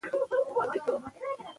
یاقوت د افغانانو د ژوند طرز اغېزمنوي.